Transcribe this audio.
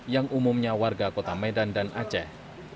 yang umumnya warga kota medan dan aceh